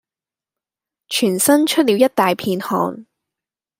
全身出了一大片汗。